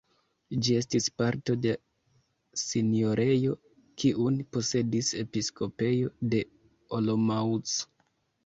Ĝi estis parto de sinjorejo, kiun posedis episkopejo de Olomouc.